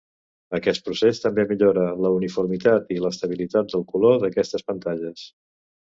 Aquest procés també millora la uniformitat i l'estabilitat del color d'aquestes pantalles.